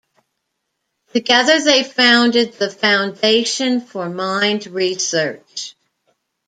Together they founded The Foundation for Mind Research.